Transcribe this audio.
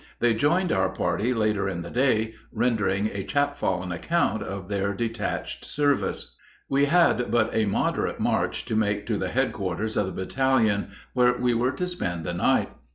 They joined our party later in the day, rendering a chapfallen account of their detached service. We had but a moderate march to make to the headquarters of the battalion, where we were to spend the night.